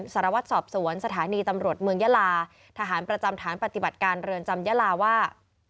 สารวัตรสอบสวนสถานีตำรวจเมืองยาลาทหารประจำฐานปฏิบัติการเรือนจำยาลาว่า